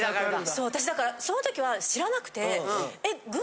私だからその時は知らなくて。